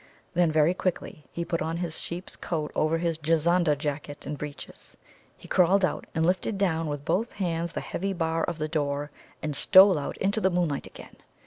Then very quickly he put on his sheep's coat over his Juzanda jacket and breeches. He crawled out, and lifted down with both hands the heavy bar of the door, and stole out into the moonlight again.